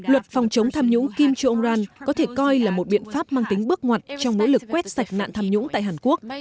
luật phòng chống tham nhũng kim jong un có thể coi là một biện pháp mang tính bước ngoặt trong nỗ lực quét sạch nạn tham nhũng tại hàn quốc